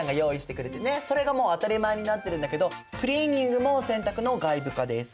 それがもう当たり前になってるんだけどクリーニングも洗濯の外部化です。